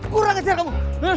kurang ajar kamu